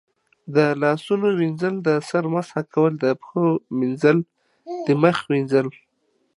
د لاسونو وینځل، د سر مسح کول، د پښو مینځل، د مخ وینځل